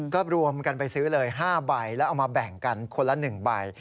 ก็รวมกันไปซื้อเลย๕ใบแล้วเอามาแบ่งกันคนละ๑ใบ